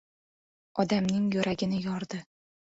Odamning yuragini yordi.